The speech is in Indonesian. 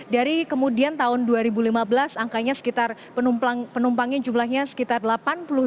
dari kemudian tahun dua ribu lima belas angkanya sekitar penumpangnya jumlahnya sekitar delapan puluh dua juta kemudian naik menjadi sembilan puluh enam juta